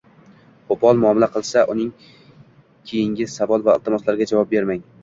Qo‘pol muomala qilsa – uning keyingi savol va iltimoslariga javob bermang.